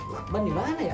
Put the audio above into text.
lakman dimana ya